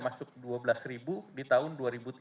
masuk dua belas di tahun